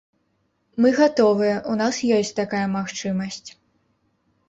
Мы гатовыя, у нас ёсць такая магчымасць.